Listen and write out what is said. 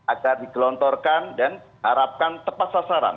agar digelontorkan dan harapkan tepat sasaran